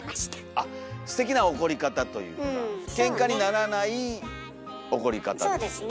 あっステキな怒り方というかケンカにならない怒り方ですよね。